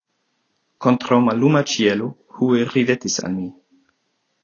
Kontraŭ malluma ĉielo Hue ridetis al mi.